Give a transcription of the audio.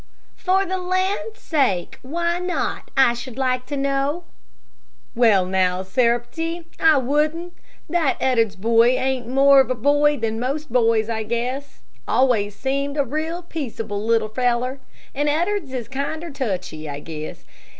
"For the land's sake, why not, I should like to know?" "Well, now, Sarepty, I wouldn't. That Ed'ards boy ain't more of a boy than most boys, I guess. Always seemed a real peaceable little feller. And Ed'ards is kinder touchy, I guess.